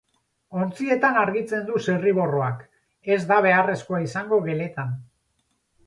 Ontzietan, argitzen du zirriborroak, ez da beharrezkoa izango geletan.